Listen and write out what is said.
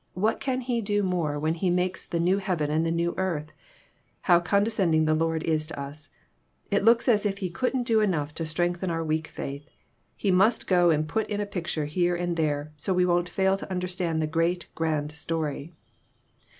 What can He do more when He makes the new heaven and the new earth ? How condescending the Lord is to us ! It looks as if He couldn't do enough to strengthen our weak faith. He must go and put in a picture here and there, so we won't fail to understand the great, grand story."